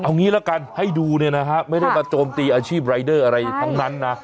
เอางี้ละกันให้ดูเนี่ยนะฮะไม่ได้มาโจมตีอาชีพรายเดอร์อะไรทั้งนั้นนะ